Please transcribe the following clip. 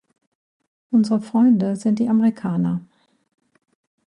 Unsere Freunde sind die Amerikaner.